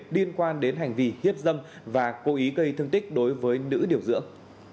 điên quan đến hành vi hiếp dâm và cố ý cây thương tích đối với nữ điều dưỡng